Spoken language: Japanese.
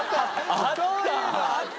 あった！